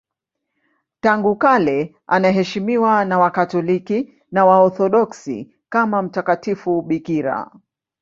Tangu kale anaheshimiwa na Wakatoliki na Waorthodoksi kama mtakatifu bikira.